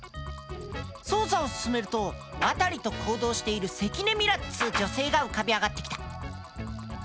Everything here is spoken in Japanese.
捜査を進めると渡と行動している関根ミラっつう女性が浮かび上がってきた。